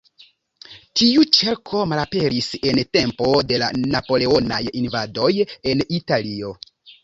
Tiu ĉerko malaperis en la tempo de la Napoleonaj invadoj en Italion.